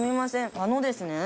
あのですね